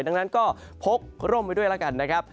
ดังนั้นก็พกร่มไปด้วยแล้วกันนะครับ